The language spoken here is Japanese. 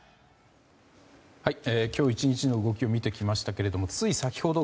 今日１日の動きを見てきましたけれどもつい先ほど